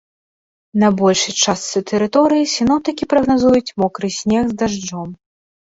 На большай частцы тэрыторыі сіноптыкі прагназуюць мокры снег з дажджом.